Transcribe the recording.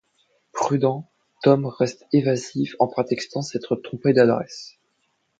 Prudent, Tom reste évasif en prétextant s'être trompé d'adresse.